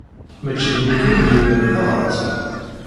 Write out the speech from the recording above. Maci d nekk ay d-yuran tabṛat-a.